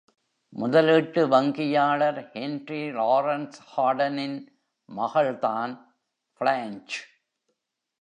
முதலீட்டு வங்கியாளர் Henry Lawrence ஹார்டனின் மகள் தான் பிளான்ச்.